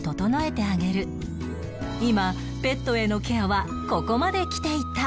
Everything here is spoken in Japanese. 今ペットへのケアはここまできていた